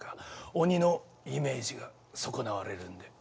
鬼のイメージが損なわれるんで。